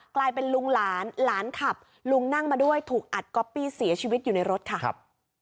กลายเป็นลุงหลานหลานขับลุงนั่งมาด้วยถูกอัดก๊อปปี้เสียชีวิตอยู่ในรถค่ะครับ